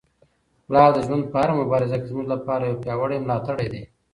پلار د ژوند په هره مبارزه کي زموږ لپاره یو پیاوړی ملاتړی دی.